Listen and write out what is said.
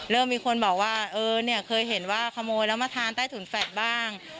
เริ่มมีคนบอกว่าเออเนี่ยเคยเห็นว่าขโมยแล้วมาทานใต้ถุนแฟดบ้าง